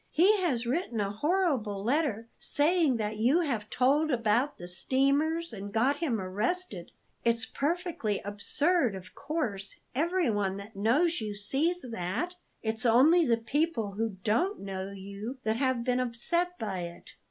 He has written a horrible letter, saying that you have told about the steamers, and got him arrested. It's perfectly absurd, of course; everyone that knows you sees that; it's only the people who don't know you that have been upset by it.